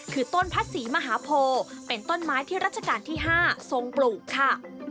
คือต้นพระศรีมหาโพเป็นต้นไม้ที่รัชกาลที่๕ทรงปลูกค่ะ